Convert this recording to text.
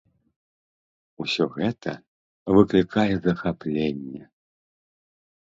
Усё гэта выклікае захапленне!